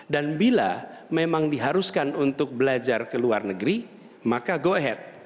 dan bila memang diharuskan untuk belajar ke luar negeri maka go ahead